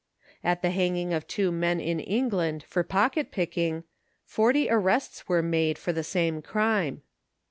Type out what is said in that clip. At the hanging of two men in England, for pocket picking, forty arrests were made for the same crime.